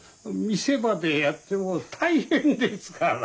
店までやってもう大変ですから。